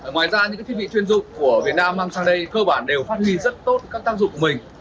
ngoài ra những thiết bị chuyên dụng của việt nam mang sang đây cơ bản đều phát huy rất tốt các tác dụng mình